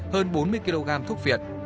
hơn bốn mươi kg thuốc việt